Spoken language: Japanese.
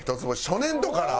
初年度から？